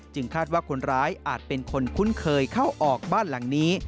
คาดว่าคนร้ายอาจเป็นคนคุ้นเคยเข้าออกบ้านหลังนี้